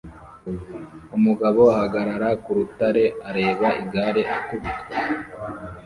Umugabo ahagarara ku rutare areba igare akubitwa